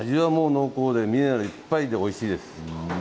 濃厚でミネラルいっぱいでおいしいです。